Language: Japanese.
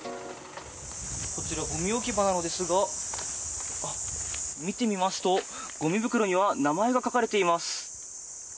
こちら、ごみ置き場なのですが見てみますと、ごみ袋には名前が書かれています。